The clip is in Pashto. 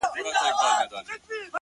اسان به نه وي خو ديدن به دې کومه داسې-